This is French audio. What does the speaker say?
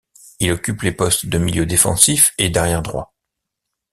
Il occupe les postes de milieu défensif et d'arrière droit.